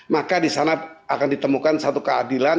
maka disana akan ditemukan satu keadilan